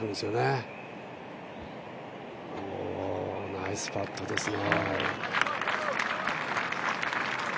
ナイスパットですね。